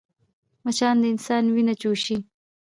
مچان د انسان وینه چوشي